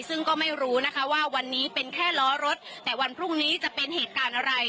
ซึ่งก็ไม่รู้นะคะว่าวันนี้เป็นแค่ล้อรถแต่วันพรุ่งนี้จะเป็นเหตุการณ์อะไร